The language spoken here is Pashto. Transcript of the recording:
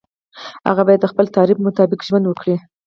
هغه باید د خپل تعریف مطابق ژوند وکړي.